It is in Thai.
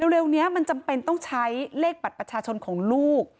เร็วนี้มันจำเป็นต้องใช้เลขบัตรประชาชนของลูก